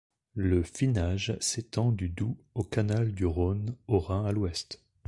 Le Finage s'étend du Doubs au canal du Rhône au Rhin à l'ouest.